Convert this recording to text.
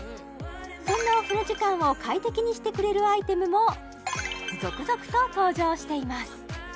そんなお風呂時間を快適にしてくれるアイテムも続々と登場しています